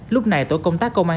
lúc này tổ công tác công an